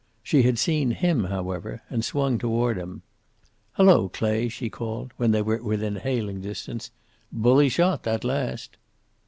She had seen him, however, and swung toward him. "Hello, Clay," she called, when they were within hailing distance. "Bully shot, that last."